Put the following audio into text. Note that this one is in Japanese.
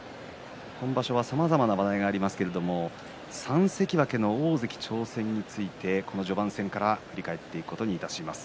今場所もさまざまな話題がありますが３関脇の大関挑戦についてこの序盤戦から振り返っていきます。